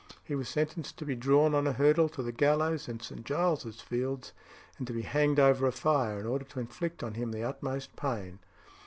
He was sentenced to be drawn on a hurdle to the gallows in St. Giles's Fields, and to be hanged over a fire, in order to inflict on him the utmost pain.